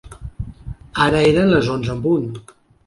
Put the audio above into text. Ara eren les onze en punt.